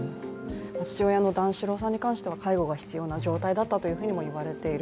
父親の段四郎さんに関しては介護が必要な状態だったともいわれている。